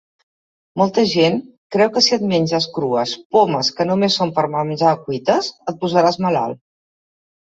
Molta gent creu que si et menges crues pomes que només són per a menjar cuites et posaràs malalt.